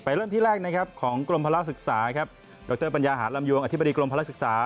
ไปเริ่มที่แรกของกรมพลาดศึกษาดรปัญญาหารำยวงอธิบดีกรมพลาดศึกษา